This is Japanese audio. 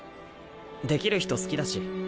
できる人好きだし。